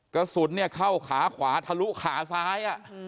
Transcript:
กระสุนเนี่ยเข้าขาขวาทะลุขาซ้าย